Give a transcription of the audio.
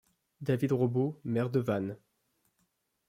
David Robo, maire de Vannes.